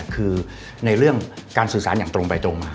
คือในเรื่องการสื่อสารอย่างตรงไปตรงมา